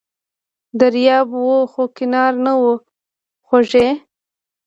دریاب و خو کناره نه وه خوږې!